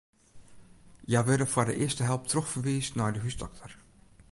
Hja wurde foar de earste help trochferwiisd nei de húsdokter.